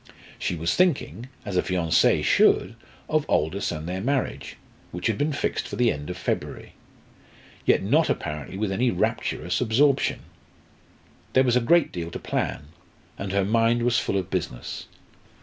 She was thinking, as a fiancée should, of Aldous and their marriage, which had been fixed for the end of February. Yet not apparently with any rapturous absorption. There was a great deal to plan, and her mind was full of business.